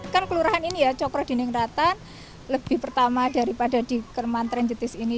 kan kelurahan ini ya cokro dining ratan lebih pertama daripada di kermanteran jutis ini